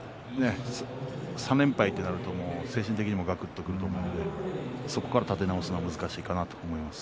３連敗となると精神的にもがくっとくると思うのでそこから立て直すのは難しいかなと思います。